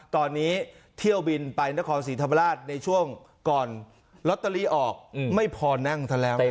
ตอนนี้เที่ยวบินไปนครศรีธรรมราชในช่วงก่อนลอตเตอรี่ออกไม่พอนั่งซะแล้ว